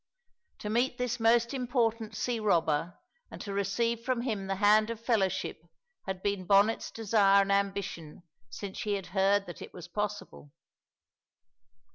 To meet this most important sea robber and to receive from him the hand of fellowship had been Bonnet's desire and ambition since he had heard that it was possible.